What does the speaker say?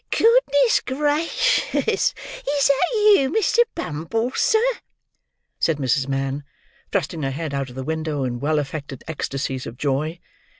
"Goodness gracious! Is that you, Mr. Bumble, sir?" said Mrs. Mann, thrusting her head out of the window in well affected ecstasies of joy.